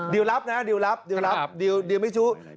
ดิวรับนะดิวรับดิวไม่ชู้